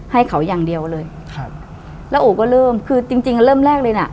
ให้เขาอย่างเดียวเลยแล้วโอ๊ะก็เริ่มคือจริงเริ่มแรกเลยน่ะ